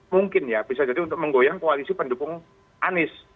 mungkin ya bisa jadi untuk menggoyang koalisi pendukung anies